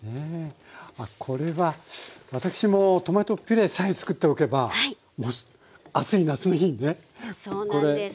まあこれは私もトマトピュレさえ作っておけば暑い夏の日にねそうなんです。